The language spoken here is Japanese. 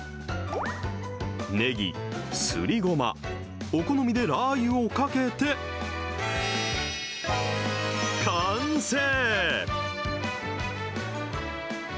ねぎ、すりごま、お好みでラー油をかけて、完成。